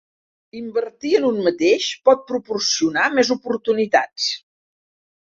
Invertir en un mateix por proporcionar més oportunitats.